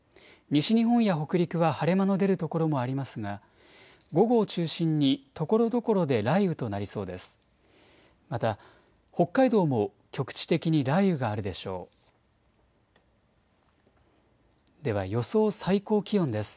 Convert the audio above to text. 西日本や北陸は晴れ間の出る所もありますが午後を中心にところどころで雷雨となりそうです。